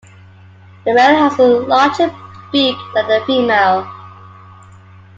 The male has a larger beak than the female.